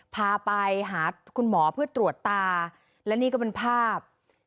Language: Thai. พาไปหาคุณหมอเพื่อตรวจตาและนี่ก็เป็นภาพ